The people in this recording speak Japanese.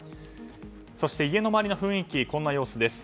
そして家の周りの雰囲気こんな様子です。